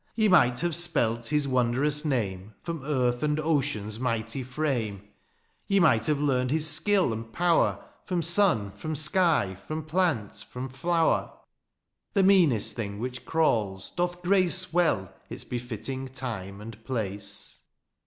*' Ye might have spelt his wonderous name From earth and ocean's mighty frame. I i THE AREOPAGITE. 21 "Ye might have learned his skiU and power " From sun, from sky, from plant, from flower :" The meanest thing which crawls, doth grace " Well its befitting time and place.